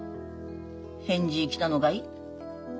返事来たのかい？